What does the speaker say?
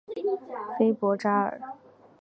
丰博扎尔。